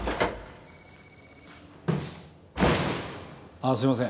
あぁすみません。